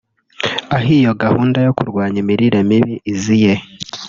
Aho iyo gahunda yo kurwanya imiriremibi iziye